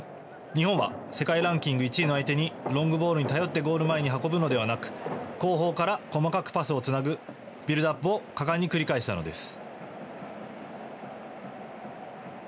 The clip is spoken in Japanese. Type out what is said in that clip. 日本は世界ランキング１位の相手にロングボールに頼ってゴール前に運ぶのではなく後方から細かくパスをつなぐビルドアップを果敢に繰り返したのです。